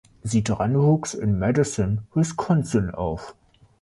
Sidran wuchs in Madison, Wisconsin auf.